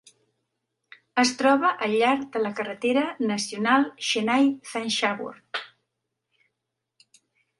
Es troba al llarg de la carretera nacional Chennai-Thanjavur.